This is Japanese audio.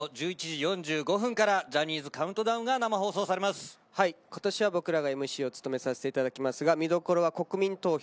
このあと１１時４５分から「ジャニーズカウントダウン」が今年は僕らがＭＣを務めさせていただきますが見どころは国民投票！